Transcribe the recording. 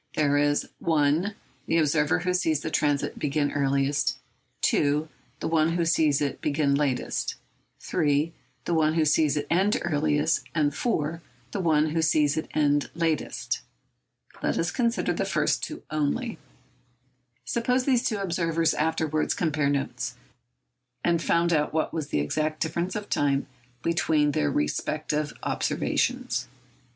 There is (1) the observer who sees the transit begin earliest, (2) the one who sees it begin latest, (3) the one who sees it end earliest, and (4) the one who sees it end latest. Let us consider the first two only. Suppose these two observers afterwards compared notes, and found out what was the exact difference of time between their respective observations.